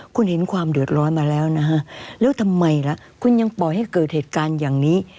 คุณเห็นความเดือดร้อนมาแล้วนะฮะแล้วทำไมล่ะคุณยังปล่อยให้เกิดเหตุการณ์อย่างนี้